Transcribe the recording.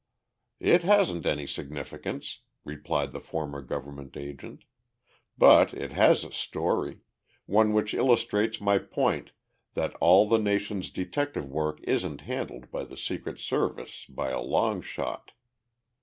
"It hasn't any significance," replied the former government agent, "but it has a story one which illustrates my point that all the nation's detective work isn't handled by the Secret Service, by a long shot.